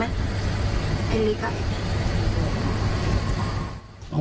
ไอ้ลิกอะ